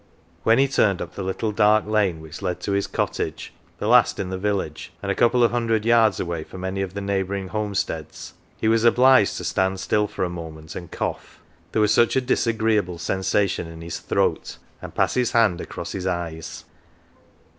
When he turned up the little dark lane which led to his cottage the last in the village, and a couple of hundred yards away from any of the neighbouring homesteads he was obliged to stand still for a moment and cough there was such a disagreeable sensation in his throat and pass his hand across his eyes.